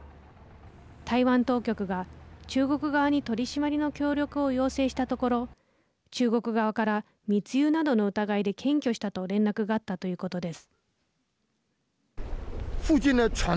台湾当局が中国側に取締りの協力を要請したところ中国側から密輸などの疑いで検挙したと連絡があったということです。